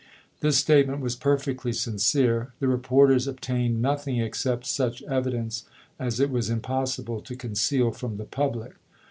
This statement was perfectly sin cere; the reporters obtained nothing except such evidence as it was impossible to conceal from the public.